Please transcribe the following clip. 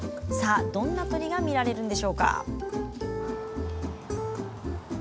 どんな鳥が見られるんでしょうか。